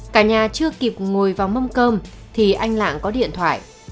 cả nhà chưa kịp ngồi vào mâm cơm thì anh lạng có điện thoại